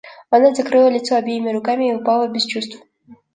Она закрыла лицо обеими руками и упала без чувств.